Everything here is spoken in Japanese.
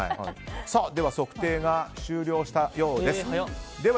では測定が終了したようです。